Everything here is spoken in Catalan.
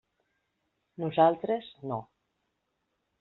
Nosaltres, no.